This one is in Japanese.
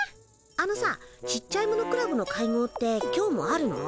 あのさちっちゃいものクラブの会合って今日もあるの？